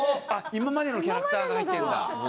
今までのキャラクターが入ってるんだ。